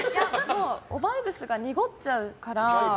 おバイブスが濁っちゃうから。